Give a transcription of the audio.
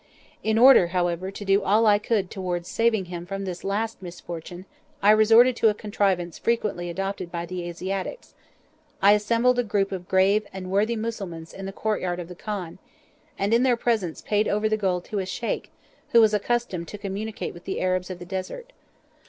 In order, however, to do all I could towards saving him from this last misfortune I resorted to a contrivance frequently adopted by the Asiatics: I assembled a group of grave and worthy Mussulmans in the courtyard of the khan, and in their presence paid over the gold to a Sheik who was accustomed to communicate with the Arabs of the Desert.